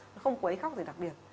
nó không quấy khóc gì đặc biệt